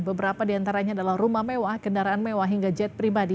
beberapa diantaranya adalah rumah mewah kendaraan mewah hingga jet pribadi